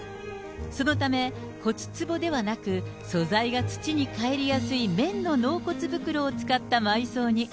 そのため骨つぼではなく、素材が土にかえりやすい綿の納骨袋を使った埋葬に。